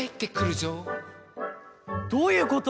どういうこと？